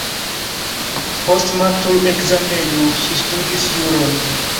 Post matur-ekzameno ŝi studis juron.